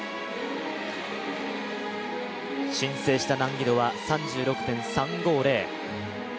申請した難易度は、３６．３５０。